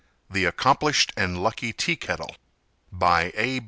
THE ACCOMPLISHED AND LUCKY TEAKETTLE By A.